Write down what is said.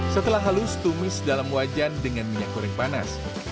setelah halus tumis dalam wajan dengan minyak goreng panas